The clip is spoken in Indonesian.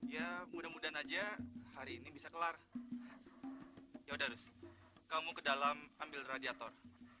ya mudah mudahan aja hari ini bisa kelar yaudah harus kamu ke dalam ambil radiator